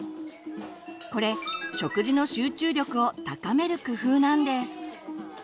これ食事の集中力を高める工夫なんです。